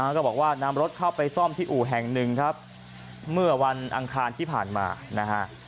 ก็บอกว่านำรถเข้าไปซ่อมที่อู่แห่งหนึ่งครับเมื่อวันอังคารที่ผ่านมานะฮะ